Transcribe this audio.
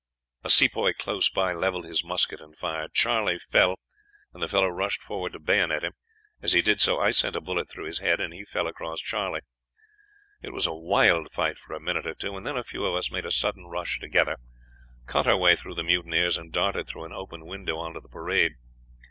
"A Sepoy close by leveled his musket and fired. Charley fell, and the fellow rushed forward to bayonet him. As he did so I sent a bullet through his head, and he fell across Charley. It was a wild fight for a minute or two, and then a few of us made a sudden rush together, cut our way through the mutineers, and darted through an open window on to the parade.